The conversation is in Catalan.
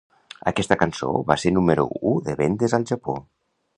Aquesta cançó va ser número u de vendes al Japó.